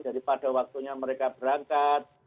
jadi pada waktunya mereka berangkat